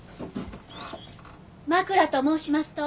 枕と申しますと？